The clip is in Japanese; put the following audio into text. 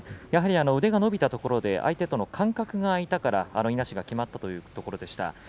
やはり腕が伸びたところで相手との間隔が空いたからあのいなしがきまったというところでした。